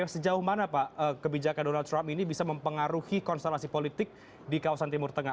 sejauh mana pak kebijakan donald trump ini bisa mempengaruhi konstelasi politik di kawasan timur tengah